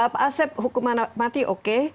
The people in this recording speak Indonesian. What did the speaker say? pak asep hukuman mati oke